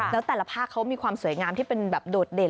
แล้วแต่ละภาคเขามีความสวยงามที่เป็นแบบโดดเด่น